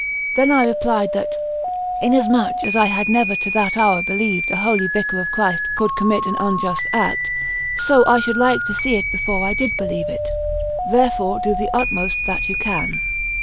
Then I replied that "inasmuch as I had never to that hour believed a holy Vicar of Christ could commit an unjust act, so I should like to see it before I did believe it; therefore do the utmost that you can."